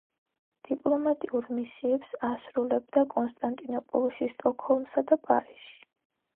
დიპლომატიურ მისიებს ასრულებდა კონსტანტინოპოლში, სტოკჰოლმსა და პარიზში.